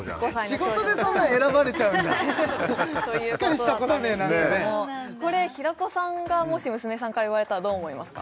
仕事でそんなん選ばれちゃうんだしっかりした子だね何かねこれ平子さんがもし娘さんから言われたらどう思いますか？